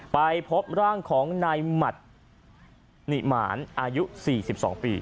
ไปพบร่างของนายหมัดนิหมานอายุ๔๒ปี